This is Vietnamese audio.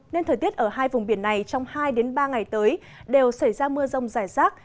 nên thời tiết ở hai vùng biển này trong hai ba ngày tới đều xảy ra mưa rông rải rác